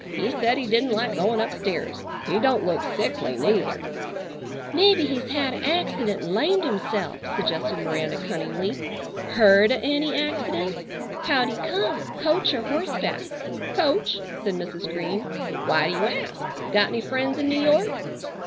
He said he didn't like goin' upstairs. He don't look sickly, neither." "Mebbe he's had a accident an' lamed himself," suggested Miranda cunningly. "Heard o' any accidents? How'd he come? Coach or horseback?" "Coach," said Mrs. Green. "Why do you ask? Got any friends in New York?"